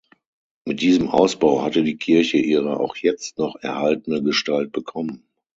Mit diesem Ausbau hatte die Kirche ihre auch jetzt noch erhaltene Gestalt bekommen.